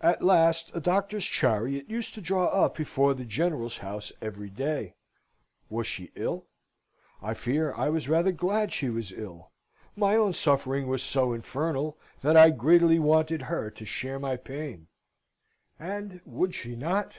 At last a doctor's chariot used to draw up before the General's house every day. Was she ill? I fear I was rather glad she was ill. My own suffering was so infernal, that I greedily wanted her to share my pain. And would she not?